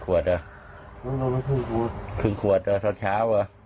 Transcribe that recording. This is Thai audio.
วันหน้า